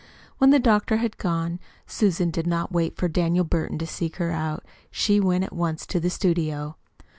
When the doctor had gone, Susan did not wait for Daniel Burton to seek her out. She went at once to the studio.